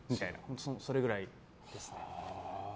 それくらいですね。